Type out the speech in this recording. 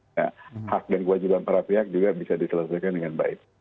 nah hak dan kewajiban para pihak juga bisa diselesaikan dengan baik